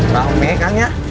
pak ume kang ya